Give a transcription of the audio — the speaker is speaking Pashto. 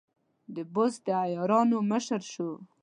د بست د عیارانو مشر شو.